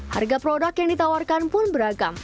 harga produk yang ditawarkan pun beragam